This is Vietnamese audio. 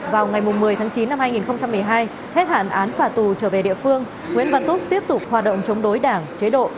vào ngày một mươi tháng chín năm hai nghìn một mươi hai hết hạn án phả tù trở về địa phương nguyễn văn túc tiếp tục hoạt động chống đối đảng chế độ